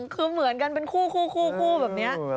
คือเหมือนกันเป็นคู่แบบนี้